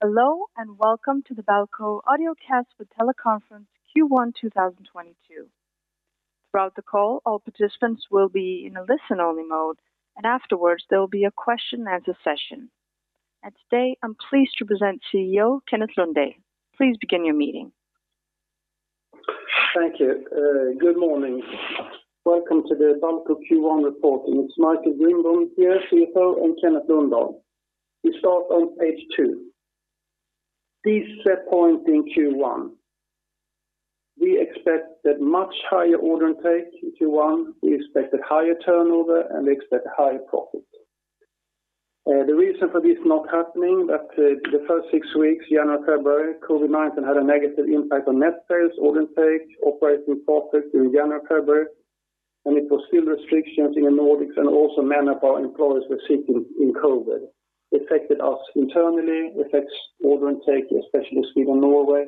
Hello, and welcome to the Balco audiocast for teleconference Q1 2022. Throughout the call, all participants will be in a listen-only mode, and afterwards, there will be a question and answer session. Today, I'm pleased to present CEO Kenneth Lundahl. Please begin your meeting. Thank you. Good morning. Welcome to the Balco Q1 reporting. It's Michael Grindborn here, CFO, and Kenneth Lundahl. We start on page two. Please see point in Q1. We expect that much higher order intake in Q1. We expected higher turnover, and we expect higher profit. The reason for this not happening, the first six weeks, January, February, COVID-19 had a negative impact on net sales, order intake, operating profit in January, February, and there were still restrictions in the Nordics, and also many of our employees were sick with COVID. It affected us internally, affects order intake, especially Sweden, Norway,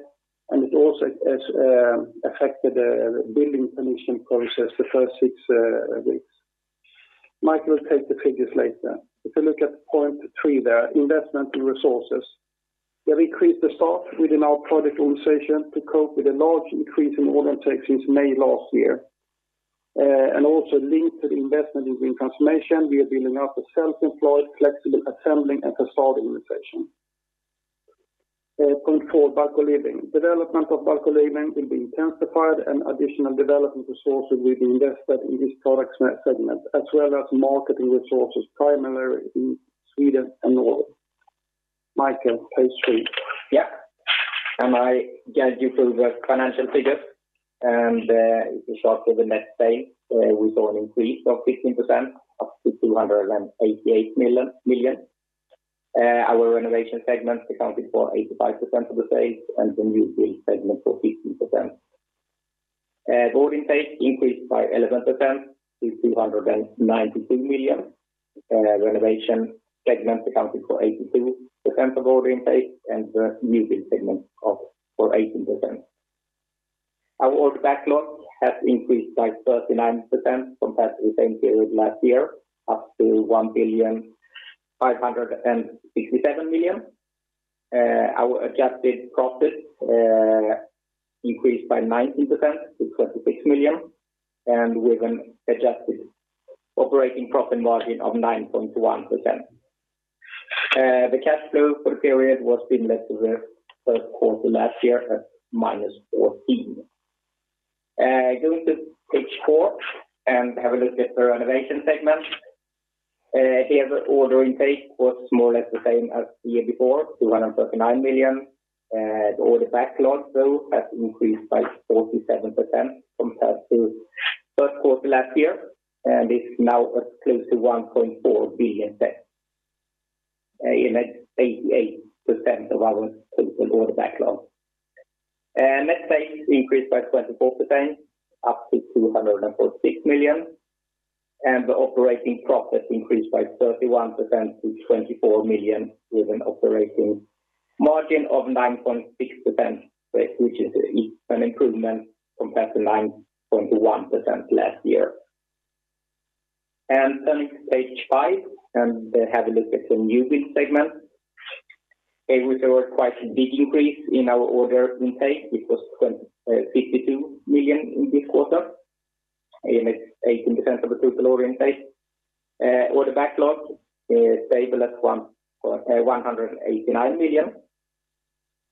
and it also has affected the building permission process the first 6 weeks. Michael will take the figures later. If you look at point three there, investment and resources. We increased the staff within our project organization to cope with a large increase in order intake since May last year. Linked to the investment in green transformation, we are building up a self-employed, flexible assembling and facade organization. Development of Balco Living will be intensified and additional development resources will be invested in this product segment, as well as marketing resources, primarily in Sweden and Norway. Michael, page three. Yeah. I guide you through the financial figures. If we start with the net sales, we saw an increase of 15% up to 288 million. Our renovation segment accounted for 85% of the sales, and the new build segment for 15%. Order intake increased by 11% to 292 million. Renovation segment accounted for 82% of order intake, and the new build segment for 18%. Our order backlog has increased by 39% compared to the same period last year, up to 1,567 million. Our adjusted profit increased by 19% to 26 million, and with an adjusted operating profit margin of 9.1%. The cash flow for the period was similar to the first quarter last year at -14 million. Going to page four and have a look at the renovation segment. Here the order intake was more or less the same as the year before, 239 million. The order backlog, though, has increased by 47% compared to first quarter last year, and is now at close to 1.4 billion, 88% of our total order backlog. Net sales increased by 24% up to 246 million. The operating profit increased by 31% to 24 million with an operating margin of 9.6%, which is an improvement compared to 9.1% last year. Turning to page five and have a look at the new build segment. Here we saw quite a big increase in our order intake, which was 52 million in this quarter, and it's 18% of the total order intake. Order backlog is stable at 189 million.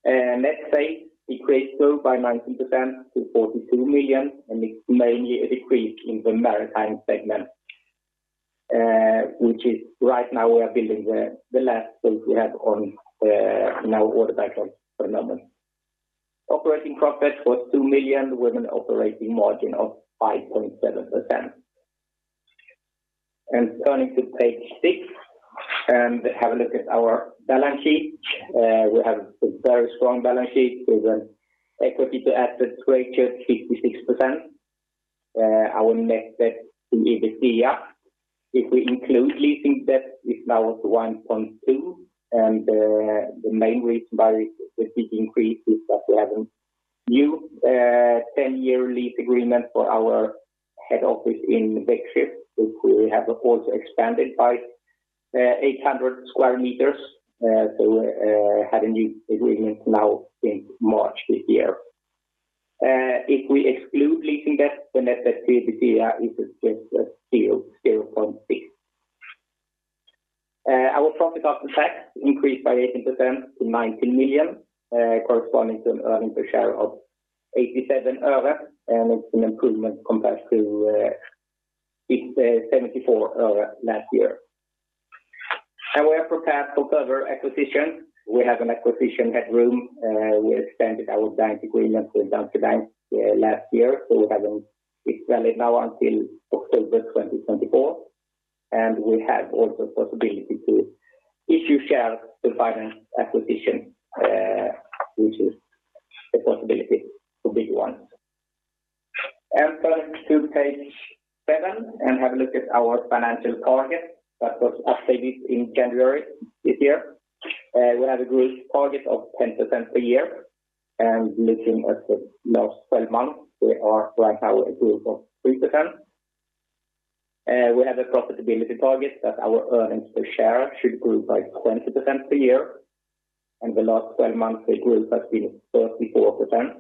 Net sales decreased, though, by 19% to 42 million, and it's mainly a decrease in the maritime segment, which is right now we are building the last boat we have in our order backlog for now. Operating profit was 2 million with an operating margin of 5.7%. Turning to page six, and have a look at our balance sheet. We have a very strong balance sheet with an equity to assets ratio of 56%. Our net debt to EBITDA, if we include leasing debt, is now at 1.2. The main reason why we see increase is that we have a new 10-year lease agreement for our head office in Bengtsfors, which we have also expanded by 800 square meters. So we have a new agreement now in March this year. If we exclude leasing debt, the net debt to EBITDA is just still 0.6. Our profit after tax increased by 18% to 19 million, corresponding to an earnings per share of 87 öre, and it's an improvement compared to 74 öre last year. We are prepared for further acquisition. We have an acquisition headroom. We extended our bank agreement with Danske Bank last year, so we have it now until October 2024. We have also possibility to issue share to finance acquisition, which is a possibility for big ones. Turning to page seven and have a look at our financial target that was updated in January this year. We have a growth target of 10% per year. Looking at the last twelve months, we are right now a growth of 3%. We have a profitability target that our earnings per share should grow by 20% per year. In the last twelve months, the growth has been 34%.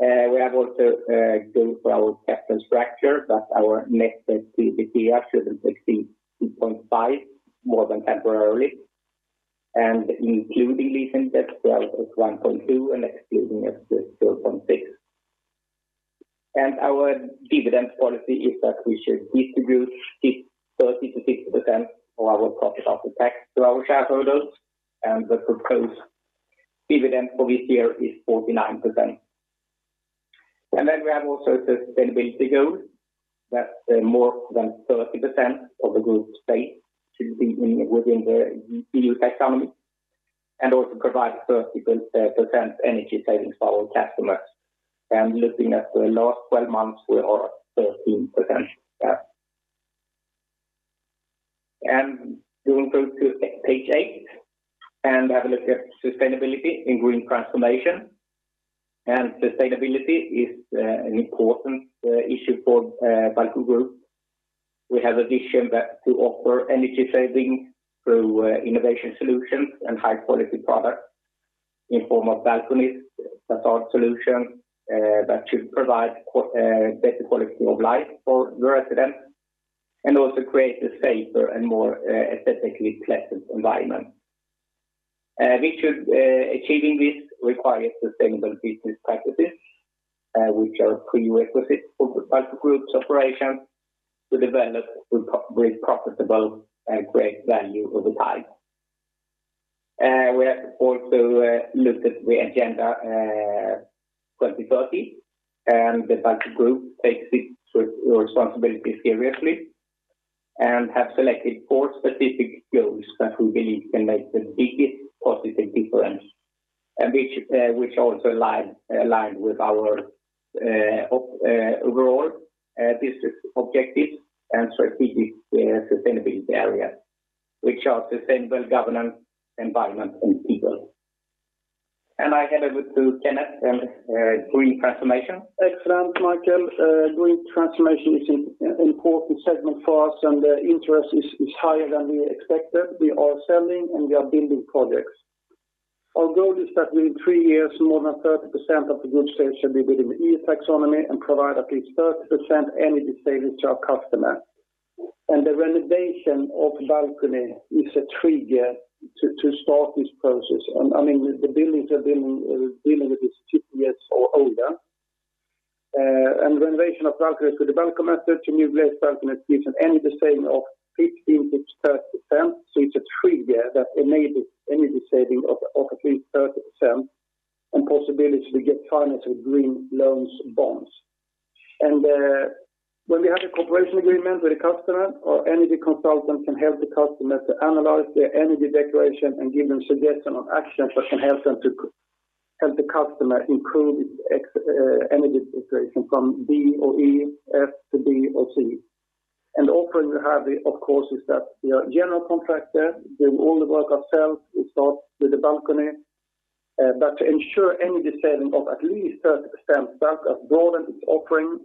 We have also growth for our capital structure that our net debt to EBITDA shouldn't exceed 2.5 more than temporarily. Including leasing debt, it's 1.2, and excluding it's 0.6. Our dividend policy is that we should distribute 30%-60% of our profit after tax to our shareholders, and the proposed dividend for this year is 49%. We have also a sustainability goal that more than 30% of the group sales should be within the EU Taxonomy, and also provide 30% energy savings to our customers. Looking at the last 12 months, we are at 13% there. We will go to page 8 and have a look at sustainability and green transformation. Sustainability is an important issue for Balco Group. We have a vision that to offer energy savings through innovative solutions and high quality products in form of balconies. That's our solution that should provide better quality of life for the residents, and also create a safer and more aesthetically pleasant environment. Achieving this requires sustainable business practices, which are a prerequisite for the Balco Group's operation to develop, to co-build profitable and create value over time. We have also looked at the Agenda 2030, and the Balco Group takes its responsibility seriously and have selected four specific goals that we believe can make the biggest positive difference, and which also align with our overall business objectives and strategic sustainability areas, which are sustainable governance, environment, and people. I hand over to Kenneth and green transformation. Excellent, Michael. Green transformation is an important segment for us, and the interest is higher than we expected. We are selling and we are building projects. Our goal is that within 3 years, more than 30% of the group sales should be within the EU Taxonomy and provide at least 30% energy savings to our customer. The renovation of balcony is a trigger to start this process. I mean, the buildings we're dealing with is 50 years or older. Renovation of balconies with Balcomat 30 new glazed balcony solution energy saving of 15%-30%, so it's a trigger that enables energy saving of at least 30% and possibility to get finance with green loans bonds. When we have a cooperation agreement with a customer, our energy consultant can help the customer to analyze their energy declaration and give them suggestion on actions that can help the customer improve energy declaration from D or E, F to B or C. The offering we have, of course, is that we are a general contractor, doing all the work ourselves. We start with the balcony. To ensure energy saving of at least 30%, Balco has broadened its offering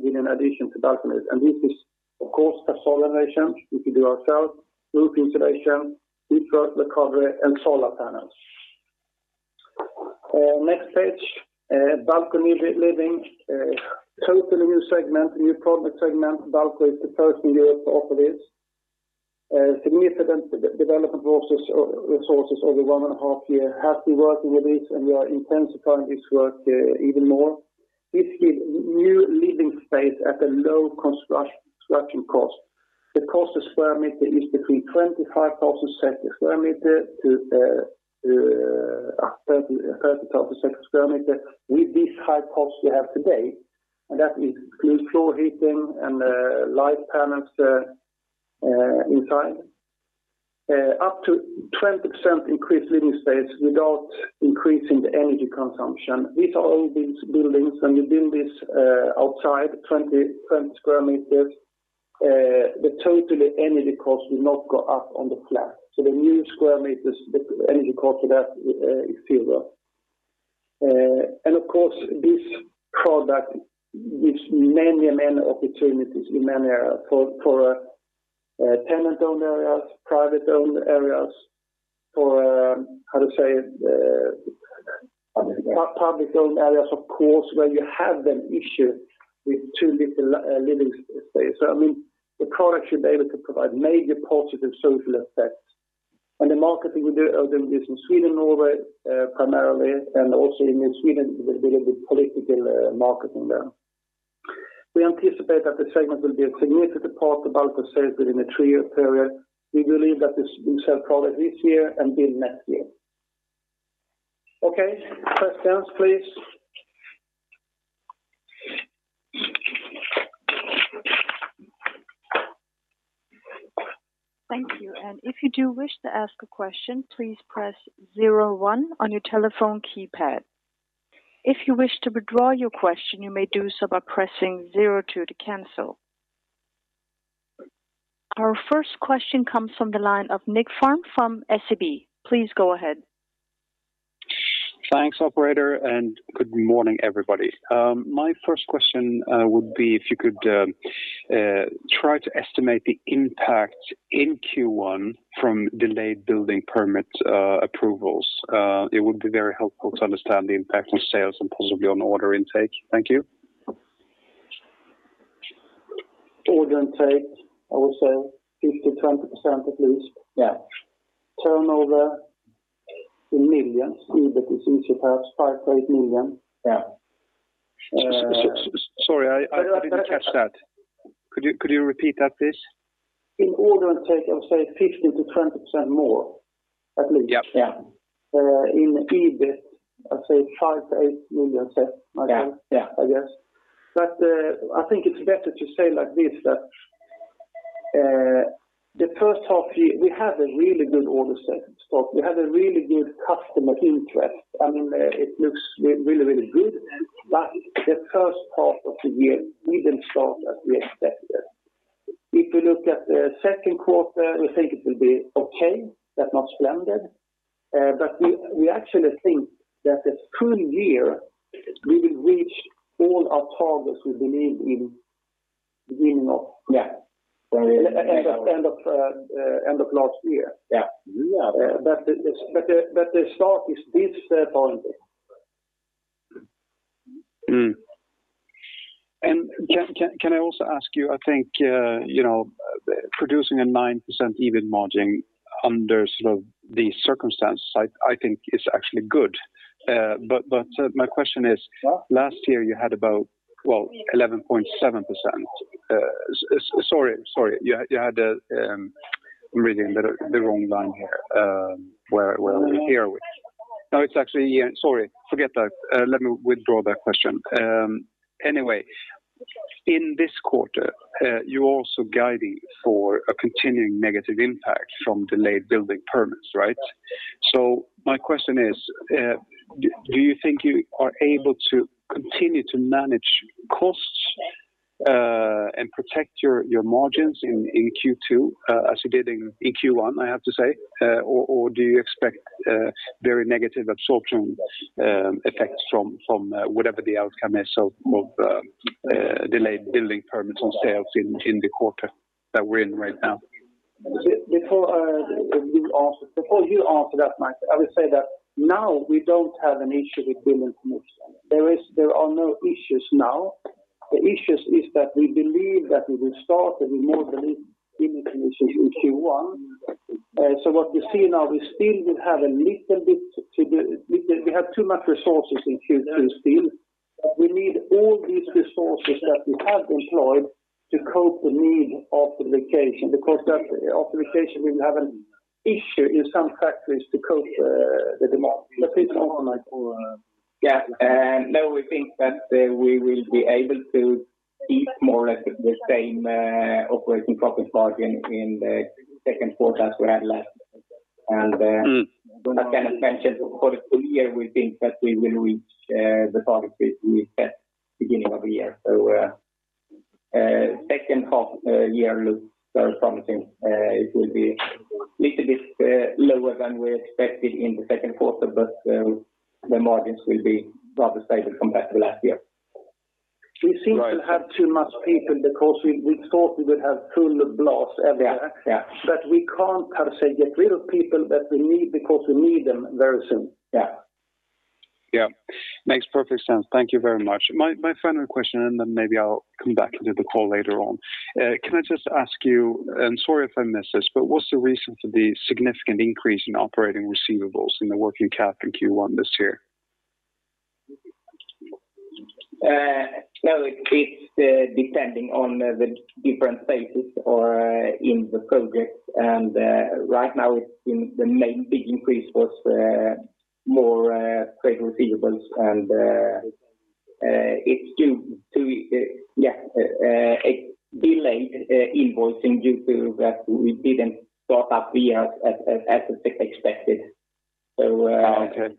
in addition to balconies, and this is, of course, facade renovation, which we do ourselves, roof insulation, heat pump recovery, and solar panels. Next page. Balco Living, totally new segment, new product segment. Balco is the first in Europe to offer this. Significant development resources over one and a half year have been working with this, and we are intensifying this work even more. This gives new living space at a low structure cost. The cost per square meter is between SEK 25,000-SEK 30,000 per square meter with these high costs we have today. That includes floor heating and light panels inside. Up to 20% increased living space without increasing the energy consumption. These are old buildings, and you build this outside 20-20 square meters, the total energy cost will not go up on the flat. The new square meters, the energy cost for that is zero. Of course, this product gives many opportunities in many areas for tenant-owned areas, private-owned areas, for how to say it. Other areas Public-owned areas, of course, where you have an issue with too little living space. I mean, the product should be able to provide major positive social effects. The marketing we do of them is in Sweden, Norway, primarily, and also in Sweden, we're doing the political marketing there. We anticipate that the segment will be a significant part of Balco sales within a three-year period. We believe that we sell product this year and build next year. Okay, questions please. Thank you. If you do wish to ask a question, please press zero one on your telephone keypad. If you wish to withdraw your question, you may do so by pressing zero two to cancel. Our first question comes from the line of Nick Farm from SEB. Please go ahead. Thanks, operator, and good morning, everybody. My first question would be if you could try to estimate the impact in Q1 from delayed building permit approvals. It would be very helpful to understand the impact on sales and possibly on order intake. Thank you. Order intake, I would say 50%-20% at least. Yeah. Turnover in millions, EBIT is perhaps 5 million-8 million. Yeah. Sorry, I didn't catch that. Could you repeat that please? In order intake, I would say 50%-20% more at least. Yeah. In EBIT, I'd say 5 million-8 million, I think. Yeah. I guess. I think it's better to say like this, that the first half year, we have a really good order set. We have a really good customer interest. I mean, it looks really good. The first half of the year, we didn't start as we expected. If you look at the second quarter, we think it will be okay, but not splendid. We actually think that the full year we will reach all our targets we believe in beginning of. Yeah. End of last year. Yeah. the start is this disappointing. Can I also ask you, I think you know producing a 9% EBIT margin under sort of the circumstances, I think is actually good. My question is- Yeah. Let me withdraw that question. Anyway, in this quarter, you're also guiding for a continuing negative impact from delayed building permits, right? My question is, do you think you are able to continue to manage costs and protect your margins in Q2 as you did in Q1, I have to say? Or do you expect very negative absorption effects from whatever the outcome is of delayed building permits on sales in the quarter that we're in right now? Before you answer that, Michael, I would say that now we don't have an issue with building permits. There are no issues now. The issues is that we believe that we will start with more building permits in Q1. So what we see now, we still will have a little bit to do. We have too much resources in Q2 still. We need all these resources that we have employed to cope the need of the vacation, because that authorization will have an issue in some factories to cope the demand. Now we think that we will be able to keep more or less the same operating profit margin in the second quarter as we had last. Mm. As Kenneth mentioned, for the full year, we think that we will reach the target we set beginning of the year. Second half year looks very promising. It will be little bit lower than we expected in the second quarter, but the margins will be rather stable compared to last year. We seem to have too many people because we thought we would have full blast everywhere. Yeah, yeah. We can't, how to say, get rid of people that we need because we need them very soon. Yeah. Yeah. Makes perfect sense. Thank you very much. My final question, and then maybe I'll come back into the call later on. Can I just ask you, and sorry if I missed this, but what's the reason for the significant increase in operating receivables in the working cap in Q1 this year? No, it's depending on the different phases or in the projects. Right now the main big increase was more trade receivables, and it's due to yeah a delayed invoicing due to that we didn't start up the year as expected. Oh, okay.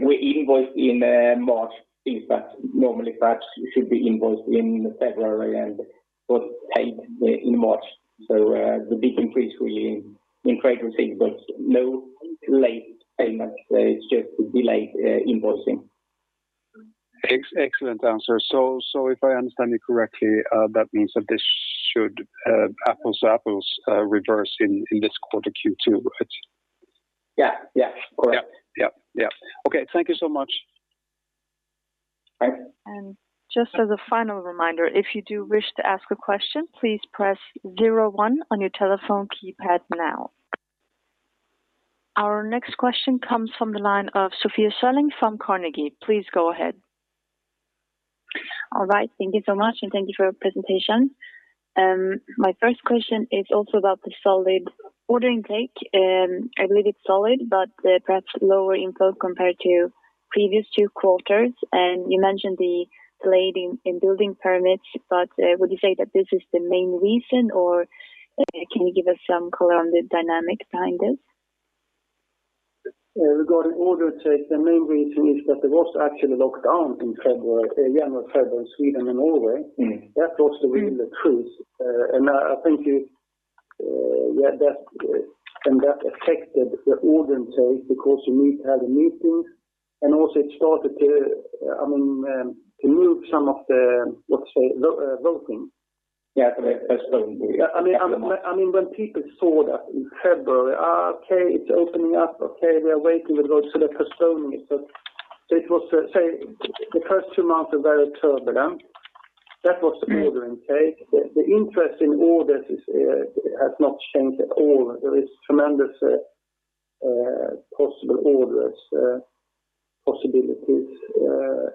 We invoice in March things that normally perhaps should be invoiced in February and got paid in March. The big increase in trade receivables, no late payment, it's just delayed invoicing. Excellent answer. If I understand you correctly, that means that this should, apples to apples, reverse in this quarter Q2, right? Yeah. Yeah. Correct. Yeah. Okay. Thank you so much. All right. Just as a final reminder, if you do wish to ask a question, please press zero one on your telephone keypad now. Our next question comes from the line of Sofia Sörling from Carnegie. Please go ahead. All right. Thank you so much, and thank you for your presentation. My first question is also about the solid order intake. I believe it's solid, but perhaps lower inflow compared to previous two quarters. You mentioned the delay in building permits, but would you say that this is the main reason or can you give us some color on the dynamic behind this? Regarding order intake, the main reason is that there was actually lockdown in January, February in Sweden and Norway. Mm-hmm. That was the real truth. I think that affected the order intake because you need to have the meetings. Also it started to, I mean, to move some of the, let's say, the voting. Yeah. That's probably. I mean, when people saw that in February, okay, it's opening up. Okay, we are waiting with votes, so they postpone it. It was, say the first two months are very turbulent. That was the order intake. The interest in orders has not changed at all. There is tremendous possible orders, possibilities.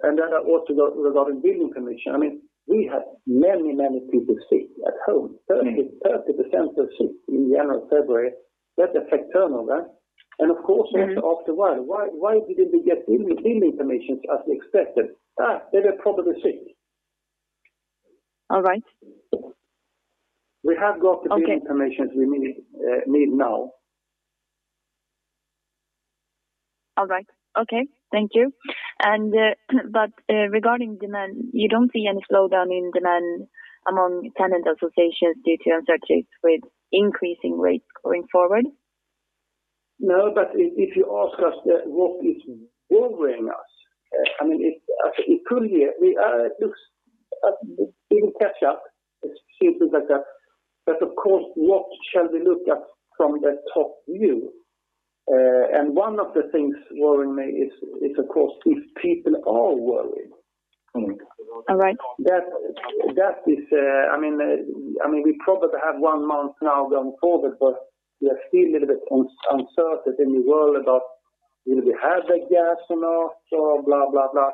And then also regarding building permission, I mean, we had many people sick at home. Mm-hmm. 30% were sick in January, February. That affect turnover. Of course also ask the why. Why didn't we get billing permissions as we expected? They were probably sick. All right. We have got the- Okay. billing permissions we need now. All right. Okay. Thank you. Regarding demand, you don't see any slowdown in demand among tenant associations due to uncertainty with increasing rates going forward? No, but if you ask us what is worrying us, I mean, it could be we are looking at we will catch up. It seems like that. Of course, what shall we look at from the top view? One of the things worrying me is of course if people are worried. Mm-hmm. All right. I mean, we probably have one month now going forward, but we are still a little bit uncertain in the world about will we have the gas enough or blah, blah.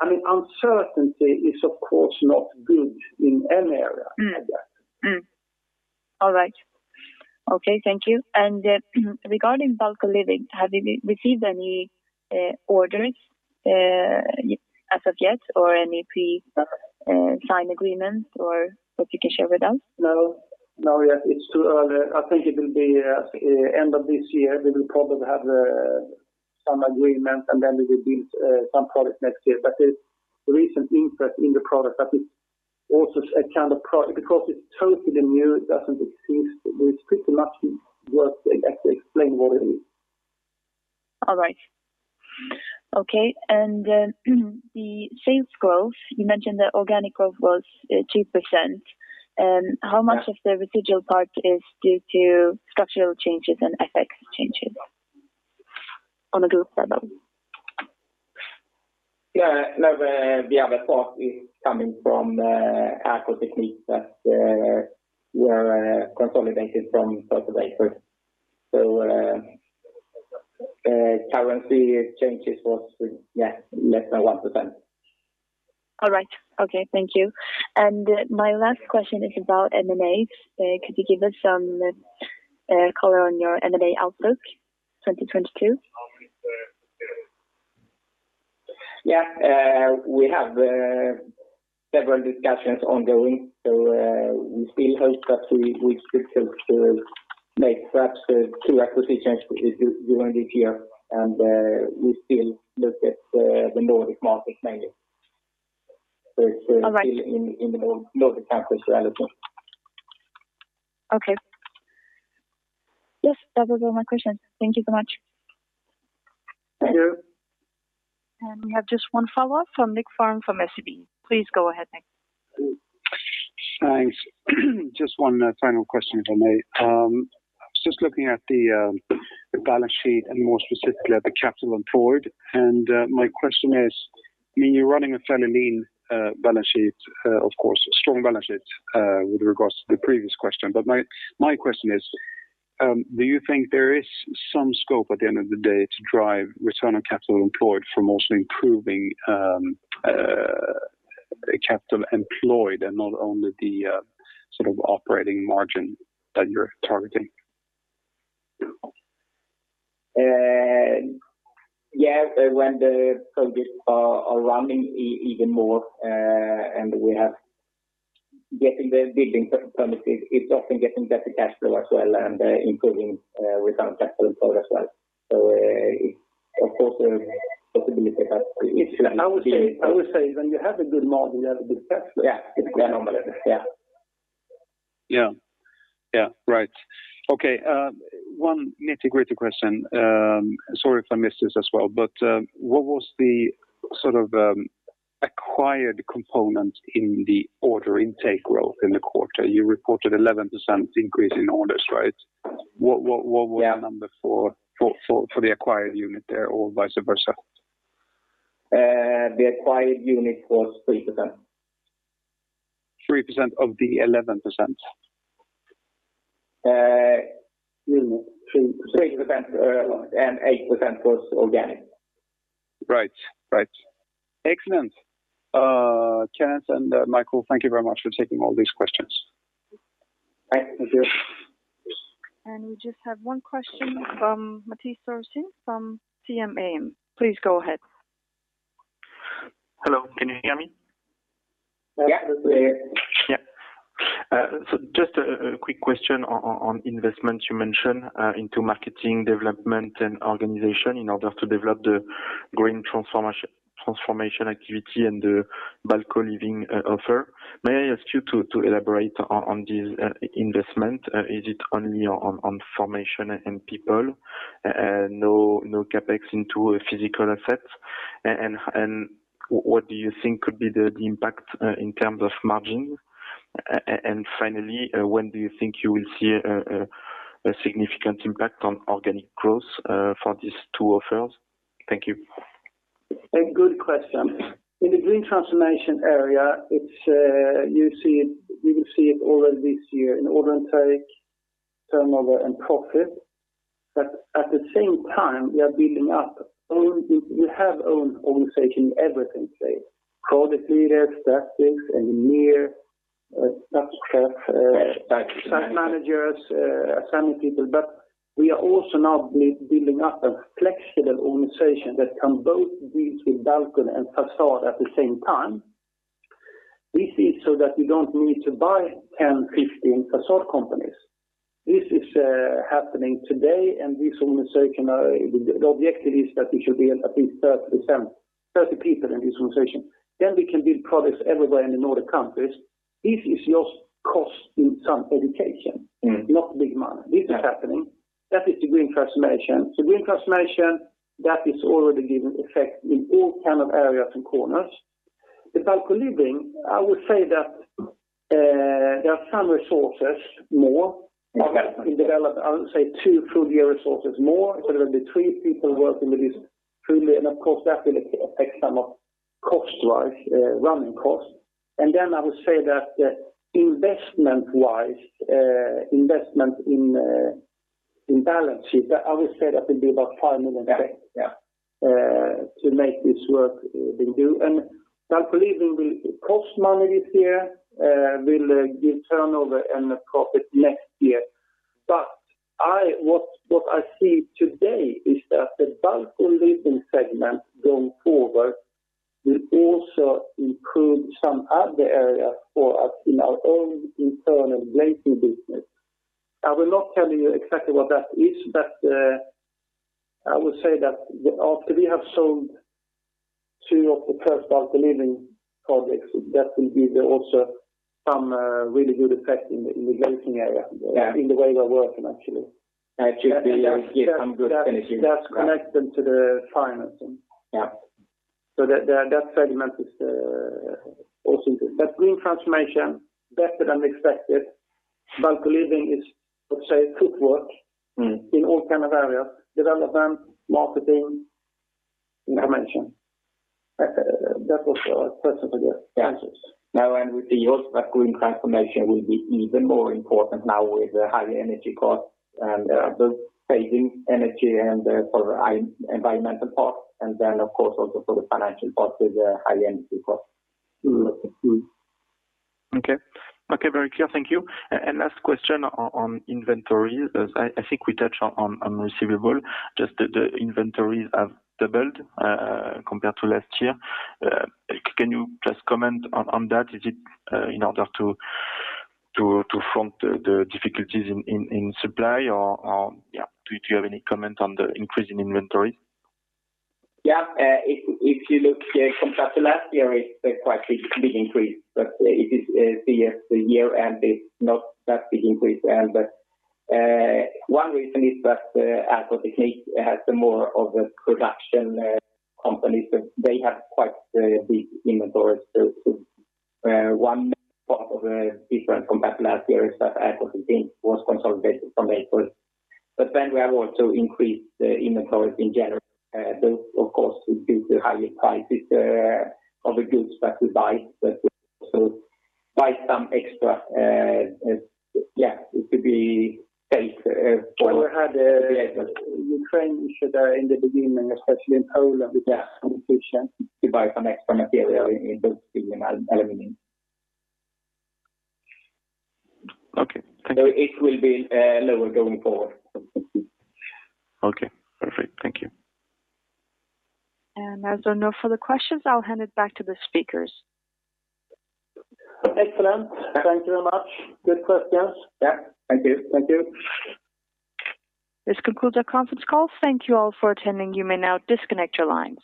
I mean, uncertainty is of course not good in any area like that. Thank you. Regarding Balco Living, have you received any orders as of yet or any pre-sign agreements or that you can share with us? No. Yet it's too early. I think it will be end of this year, we will probably have some agreement, and then we will build some product next year. The recent interest in the product that is also a kind of product because it's totally new, it doesn't exist. It's pretty much work, like to explain what it is. All right. Okay. The sales growth, you mentioned that organic growth was 2%. Yeah. How much of the residual part is due to structural changes and FX changes on a group level? No, the other part is coming from Akoteknik that were consolidated from 1st of April. Currency changes was yeah less than 1%. All right. Okay. Thank you. My last question is about M&A. Could you give us some color on your M&A outlook 2022? Yeah. We have several discussions ongoing. We still hope that we could hope to make perhaps two acquisitions, which is during this year. We still look at the Nordic market mainly. All right. It's still in the Nordic countries relevant. Okay. Yes, that was all my questions. Thank you so much. Thank you. We have just one follow-up from Nick Farm from SEB. Please go ahead, Nick. Thanks. Just one final question if I may. I was just looking at the balance sheet and more specifically at the capital employed. My question is, I mean, you're running a fairly lean balance sheet, of course, strong balance sheet, with regards to the previous question. My question is, do you think there is some scope at the end of the day to drive return on capital employed from also improving capital employed and not only the sort of operating margin that you're targeting? Yes, when the projects are running even more, and we have getting the building permitted, it's often getting better cash flow as well and improving return on capital employed as well. Of course there is possibility that. I would say when you have a good model, you have a good cash flow. Yeah. It's normal. Yeah. Yeah. Right. Okay. One nitty-gritty question. Sorry if I missed this as well, but what was the sort of acquired component in the order intake growth in the quarter? You reported 11% increase in orders, right? What Yeah. Where the number for the acquired unit there or vice versa? The acquired unit was 3%. Three percent of the eleven percent? 3% and 8% was organic. Right. Right. Excellent. Kenneth and Michael, thank you very much for taking all these questions. Right. Thank you. We just have one question from Mathis. Hello, can you hear me? Yeah. Yeah. So just a quick question on investments you mentioned into marketing, development, and organization in order to develop the green transformation activity and the Balco Living offer. May I ask you to elaborate on this investment? Is it only on formation and people? No CapEx into physical assets. What do you think could be the impact in terms of margin? Finally, when do you think you will see a significant impact on organic growth for these two offers? Thank you. A good question. In the green transformation area, it's, you see it, you will see it already this year in order intake, turnover, and profit. At the same time, we have own organization in everything, say, product leaders, logistics, engineering, site staff. Site managers Site managers, assembly people. We are also now building up a flexible organization that can both deal with Balcony and Façade at the same time. This is so that we don't need to buy 10-15 façade companies. This is happening today, and this organization, the objective is that we should be at least 37, 30 people in this organization. We can build products everywhere in the Nordic countries. This is just costs and some education. Mm-hmm. Not big money. Yeah. This is happening. That is the green transformation. The green transformation, that is already giving effect in all kinds of areas and corners. The Balco Living, I would say that, there are some resources more- Okay In development. I would say two full-year resources more. There will be 3 people working with this fully. Of course, that will affect some cost-wise running costs. Then I would say that investment-wise, investment in balance sheet, I would say that will be about 5 million. Yeah, yeah. To make this work will do. Balco Living will cost money this year, will give turnover and profit next year. What I see today is that the Balco Living segment going forward will also include some other areas for us in our own internal glazing business. I will not tell you exactly what that is, but I will say that after we have sold two of the first Balco Living projects, that will give also some really good effect in the glazing area. Yeah In the way we are working actually. Actually, yeah, give some good energy. That, that's connected to the financing. Yeah. That segment is also good. Green transformation, better than expected. Balco Living is, let's say, good work. Mm-hmm... in all kinds of areas, development, marketing, you know, mention. That was our first for the answers. Yeah. Now, with the use of that green transformation will be even more important now with the higher energy costs and both saving energy and for environmental part, and then of course also for the financial part with the high energy costs. Mm-hmm, mm-hmm. Okay. Okay, very clear. Thank you. Last question on inventory. As I think we touched on receivable, just the inventories have doubled compared to last year. Can you just comment on that? Is it in order to front the difficulties in supply or yeah. Do you have any comment on the increase in inventory? If you look compared to last year, it's a quite big increase, but the year end is not that big increase. One reason is that Akoteknik has more of a production company, so they have quite big inventories. One part of the difference compared to last year is that Akoteknik was consolidated from April. We have also increased the inventories in general. Of course, due to higher prices of the goods that we buy, but we also buy some extra, yeah, to be safe, for- We had a Ukraine issue there in the beginning, especially in Poland. Yeah with transportation. To buy some extra material in both steel and aluminum. Okay. Thank you. It will be lower going forward. Okay, perfect. Thank you. As there are no further questions, I'll hand it back to the speakers. Excellent. Thank you very much. Good questions. Yeah. Thank you. Thank you. This concludes our conference call. Thank you all for attending. You may now disconnect your lines.